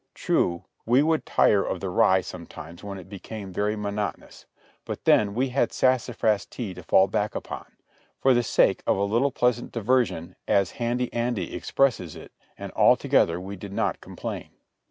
True, we would tire of the rye sometimes when it became very monotonous; but then we had sassafras tea to fall back upon, "for the sake of a little pleasant diversion," as Handy Andy expresses it; and altogether we did not complain.